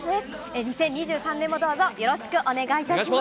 ２０２３年もどうぞ、よろしくお願いいたします。